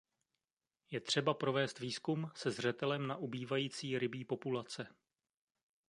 Je třeba provést výzkum se zřetelem na ubývající rybí populace.